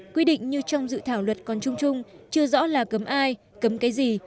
quy định như trong dự thảo luật còn trung trung chưa rõ là cấm ai cấm cái gì